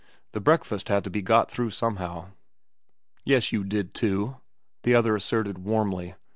The breakfast had to be got through somehow. "Yes, you did, too," the other asserted warmly.